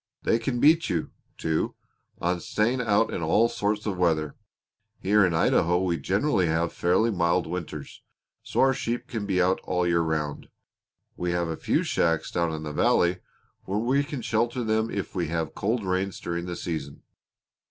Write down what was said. They can beat you, too, on staying out in all sorts of weather. Here in Idaho we generally have fairly mild winters, so our sheep can be out all the year round. We have a few shacks down in the valley where we can shelter them if we have cold rains during the season.